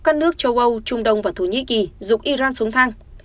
các nước châu âu trung đông và thổ nhĩ kỳ rục iran xuống thang